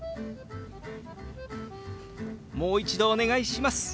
「もう一度お願いします」。